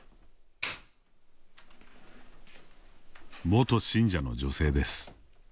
元信者の女性です。